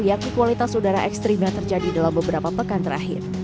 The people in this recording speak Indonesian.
yakni kualitas udara ekstrim yang terjadi dalam beberapa pekan terakhir